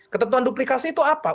ketentuan duplikasi itu apa